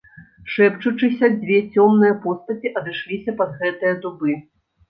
Шэпчучыся, дзве цёмныя постаці адышліся пад гэтыя дубы.